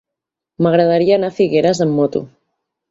M'agradaria anar a Figueres amb moto.